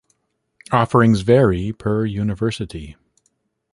Offerings vary per university.